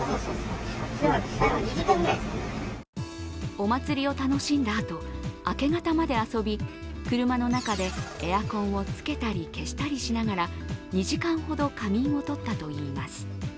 お祭りを楽しんだあと、明け方まで遊び、車の中でエアコンをつけたり消したりしながら２時間ほど仮眠を取ったといいます